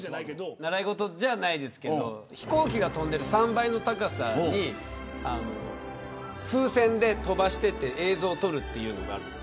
習い事じゃないですけど飛行機が飛んでいる３倍の高さに風船で飛ばして映像を撮るというのがあるんです。